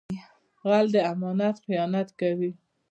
غل د امانت خیانت کوي